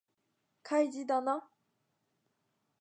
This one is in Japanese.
開示だな